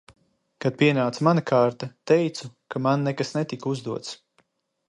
Kad pienāca mana kārta, teicu, ka man nekas netika uzdots.